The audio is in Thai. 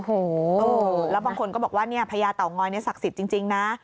โอ้โหแล้วบางคนก็บอกว่าเนี่ยพญาเต่างอยนี่ศักดิ์สิทธิ์จริงนะ